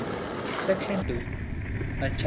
Section 2, and chap.